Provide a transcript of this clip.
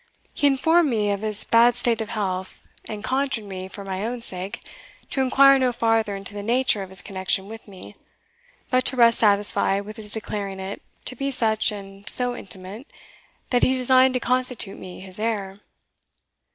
He informed me of his bad state of health, and conjured me, for my own sake, to inquire no farther into the nature of his connection with me, but to rest satisfied with his declaring it to be such and so intimate, that he designed to constitute me his heir.